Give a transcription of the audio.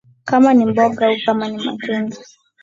kama ni mboga au kama ni matunda